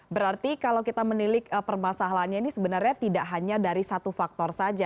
berarti kalau kita menilik permasalahannya ini sebenarnya tidak hanya dari satu faktor saja